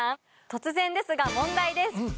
突然ですが問題です。